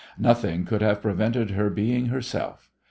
Nothing could have prevented her being herself.